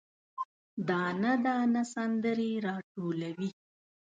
دانه، دانه سندرې، راټولوي